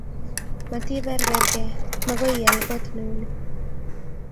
Matiperperkei, makoi ial kot ne u ni.